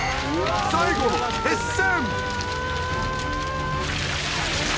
最後の決戦！